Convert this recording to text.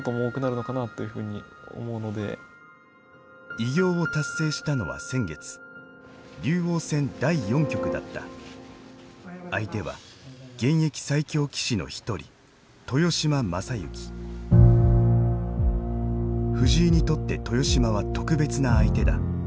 偉業を達成したのは先月相手は現役最強棋士の一人藤井にとって豊島は特別な相手だ。